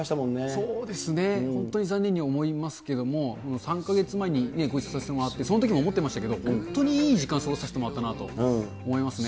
そうですね、本当に残念に思いますけども、３か月前にご一緒させてもらって、そのときも思ってましたけど、本当にいい時間を過ごさせてもらったなと思いますね。